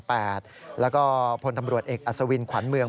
แล้วก็พลตำรวจเอกอัศวินขวัญเมือง